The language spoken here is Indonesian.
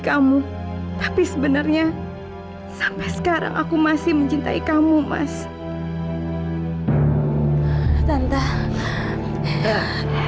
kamu tapi sebenarnya sampai sekarang aku masih mencintai kamu mas tante